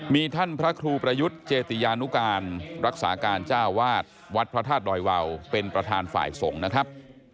มีท่านพระครูประยุทธ์เจติยานุการรักษาการเจ้าวาดวัดพระธาตุดอยวาวเป็นประธานฝ่ายสงฆ์นะครับ